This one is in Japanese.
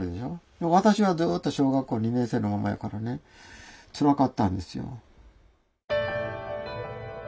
でも私はずっと小学校２年生のままやからねつらかったんですよ。